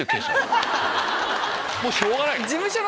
もうしょうがない。